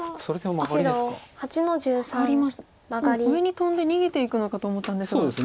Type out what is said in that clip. もう上にトンで逃げていくのかと思ったんですが。